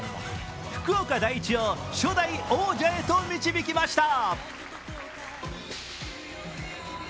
福岡第一を初代王者へと導きました。